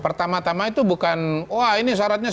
pertama tama itu bukan wah ini syaratnya